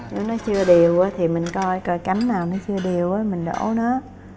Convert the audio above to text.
nếu nó chưa đều thì mình coi coi cánh nào nó chưa đều thì mình đổ nó